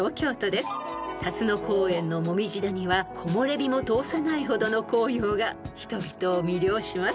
［龍野公園の紅葉谷は木漏れ日も通さないほどの紅葉が人々を魅了します］